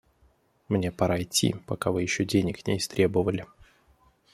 Мне пора идти, пока вы еще денег не истребовали.